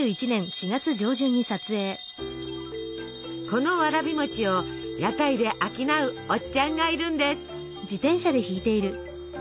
このわらび餅を屋台で商うおっちゃんがいるんです。